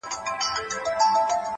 • اې ښكلي پاچا سومه چي ستا سومه؛